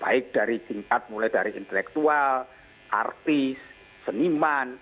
baik dari tingkat mulai dari intelektual artis seniman